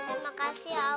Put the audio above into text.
terima kasih allah